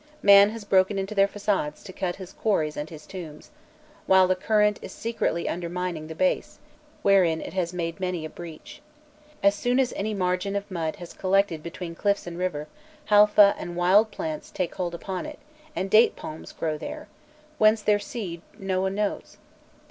Man has broken into their façades to cut his quarries and his tombs; while the current is secretly undermining the base, wherein it has made many a breach. As soon as any margin of mud has collected between cliffs and river, halfah and wild plants take hold upon it, and date palms grow there whence their seed, no one knows.